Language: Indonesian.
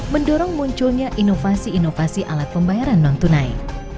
mendorong munculnya inovasi inovasi